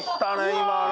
今の。